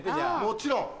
もちろん。